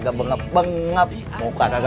seorang pengh fresh pesaing